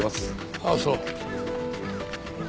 ああそう。